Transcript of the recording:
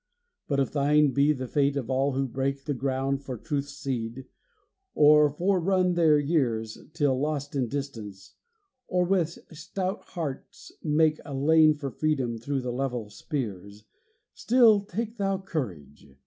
But if thine be the fate of all who break The ground for truth's seed, or forerun their years Till lost in distance, or with stout hearts make A lane for freedom through the level spears, Still take thou courage!